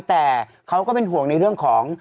แต่เขาก็เป็นห่วงในเรื่องของ